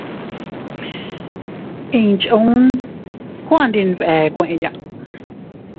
Inchuun kuu andi nbee kueʼeya.